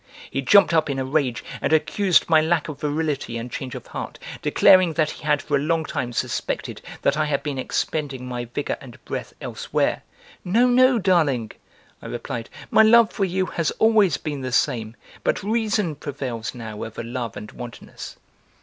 He jumped up in a rage and accused my lack of virility and change of heart, declaring that he had for a long time suspected that I had been expending my vigor and breath elsewhere. "No! No! Darling," I replied, "my love for you has always been the same, but reason prevails now over love and wantonness.")